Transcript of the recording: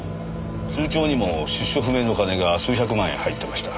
通帳にも出所不明の金が数百万円入ってました。